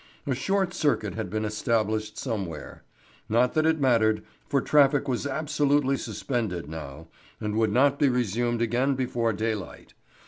A short circuit had been established somewhere. Not that it mattered, for traffic was absolutely suspended now, and would not be resumed again before daylight.